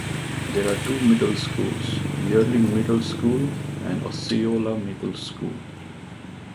There are two middle schools: Yearling Middle School, and Osceola Middle School.